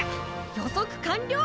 予測完了！